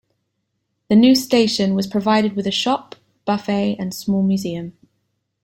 The new station was provided with a shop, buffet and small museum.